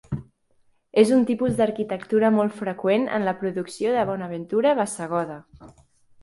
És un tipus d'arquitectura molt freqüent en la producció de Bonaventura Bassegoda.